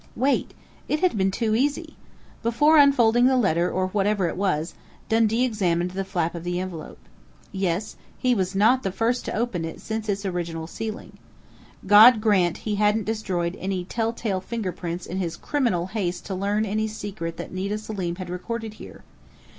Wait! It had been too easy! Before unfolding the letter or whatever it was, Dundee examined the flap of the envelope.... Yes! He was not the first to open it since its original sealing. God grant he hadn't destroyed any tell tale fingerprints in his criminal haste to learn any secret that Nita Selim had recorded here!...